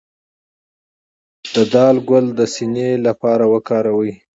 د دال ګل د سینې لپاره وکاروئ